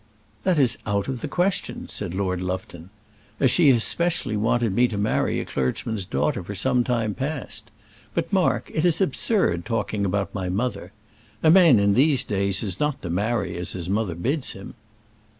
"That is out of the question," said Lord Lufton; "as she has especially wanted me to marry a clergyman's daughter for some time past. But, Mark, it is absurd talking about my mother. A man in these days is not to marry as his mother bids him."